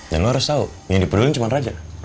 dan lo harus tau yang dipeduli cuma raja